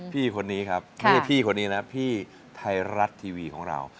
พี่คนนี้นะครับพี่ไทยรัตทีวีของเรา